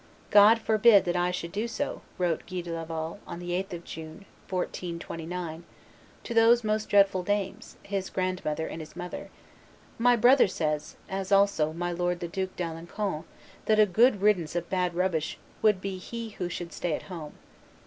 "God forbid that I should do so," wrote Guy de Laval, on the 8th of June, 1429, to those most dread dames, his grandmother and his mother; "my brother says, as also my lord the Duke d'Alencon, that a good riddance of bad rubbish would he be who should stay at home."